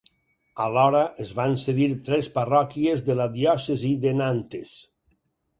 Alhora es van cedir tres parròquies de la diòcesi de Nantes.